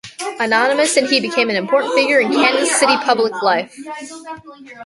Anonymous and he became an important figure in Kansas City public life.